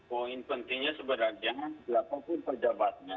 poin pentingnya sebenarnya siapapun pejabatnya